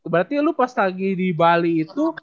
berarti lu pas lagi di bali itu